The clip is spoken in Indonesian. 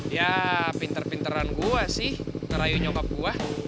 yaa pinter pinteran gua sih ngerayu nyokap gua